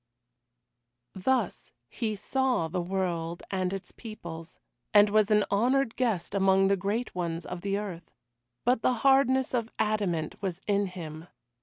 Thus he saw the world and its peoples, and was an honoured guest among the great ones of the earth. But the hardness of adamant was in him.